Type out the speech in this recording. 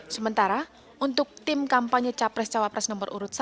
sementara untuk tim kampanye capres cawapres no satu